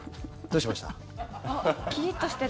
どうしました？